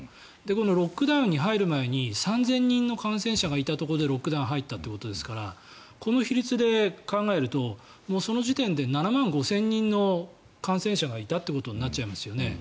このロックダウンに入る前に３０００人の感染者がいたところでロックダウンに入ったということですからこの比率で考えるとその時点で７万５０００人の感染者がいたということになっちゃいますよね。